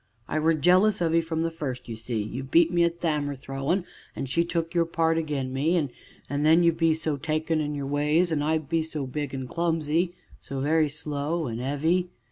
I were jealous of 'ee from the first ye see, you beat me at th' 'ammer throwin' an' she took your part again me; an' then, you be so takin' in your ways, an' I be so big an' clumsy so very slow an' 'eavy.